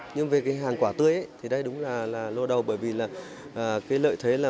nhưng về hàng quả tươi thì đây đúng là lô đầu bởi vì lợi thế là